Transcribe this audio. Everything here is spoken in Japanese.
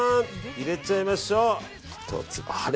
入れちゃいましょう。